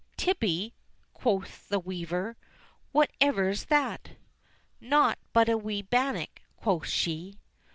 "Tibby!" quoth the weaver. "Whatever's that?*' Naught but a wee bannock," quoth she.